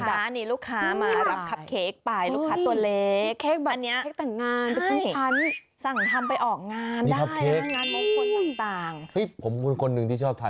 อันนี้แต่เป็นภาพส่วนตัวของเธอนะ